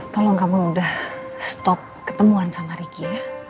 tolong kamu udah stop ketemuan sama riki